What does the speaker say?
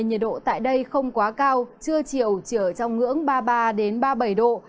nhiệt độ tại đây không quá cao trưa chiều chỉ ở trong ngưỡng ba mươi ba ba mươi bảy độ